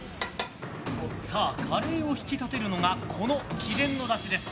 さあ、カレーを引き立てるのがこの秘伝のだしです。